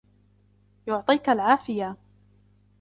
يعطيك العافية.